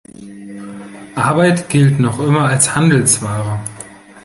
Arbeit gilt noch immer als Handelsware.